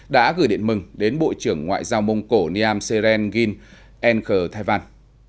đã gửi điện mừng đến bộ trưởng ngoại giao mông cổ niam seren ghin nk thái văn